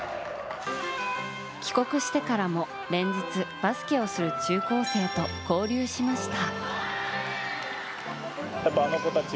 帰国してからも連日、バスケをする中高生と交流しました。